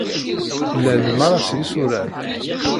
Llan merra s yisurad.